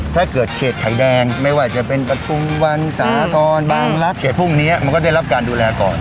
ถ้าเกิดเขตไข่แดงไม่ว่าจะเป็นปฐุมวันสาธรณ์บางรัฐเขตพรุ่งนี้มันก็ได้รับการดูแลก่อน